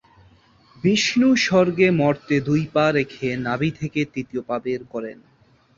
বিষ্ণু স্বর্গে-মর্তে দুই পা রেখে নাভি থেকে তৃতীয় পা বের করেন।